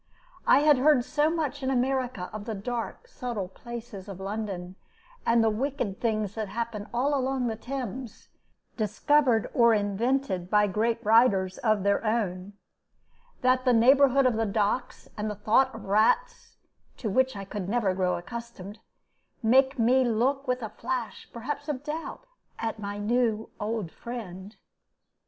I had heard so much in America of the dark, subtle places of London, and the wicked things that happen all along the Thames, discovered or invented by great writers of their own, that the neighborhood of the docks and the thought of rats (to which I could never grow accustomed) made me look with a flash perhaps of doubt at my new old friend.